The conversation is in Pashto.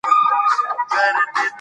هغه خبرې نه کوي.